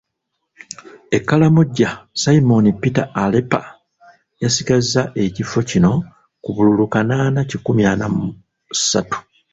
E Karamoja Simon Peter Aleper yasigazza ekifo kino ku bululu kanaana kikumi ana mu ssatu.